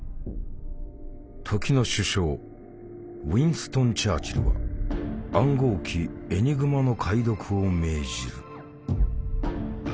時の首相ウィンストン・チャーチルは暗号機エニグマの解読を命じる。